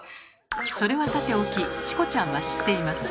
それはさておきチコちゃんは知っています。